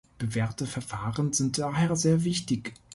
Bewährte Verfahren sind daher sehr wichtig.